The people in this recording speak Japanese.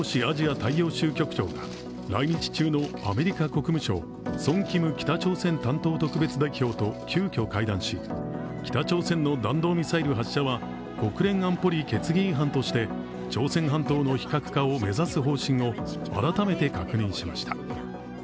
太洋州局長が来日中のアメリカ国務省ソン・キム北朝鮮担当特別代表と急きょ会談し、北朝鮮の弾道ミサイル発射は国連安保理決議違反として朝鮮半島の非核化を目指す方針を改めて確認しました。